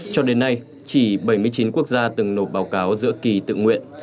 cho đến nay chỉ bảy mươi chín quốc gia từng nộp báo cáo giữa kỳ tự nguyện